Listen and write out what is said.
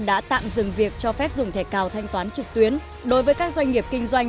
đã tạm dừng việc cho phép dùng thẻ cào thanh toán trực tuyến đối với các doanh nghiệp kinh doanh